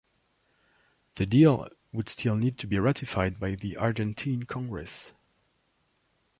The deal would still need to be ratified by the Argentine Congress.